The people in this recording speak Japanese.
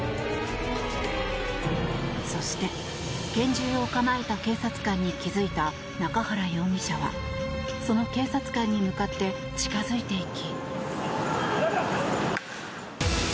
そして、拳銃を構えた警察官に気付いた中原容疑者はその警察官に向かって近付いていき。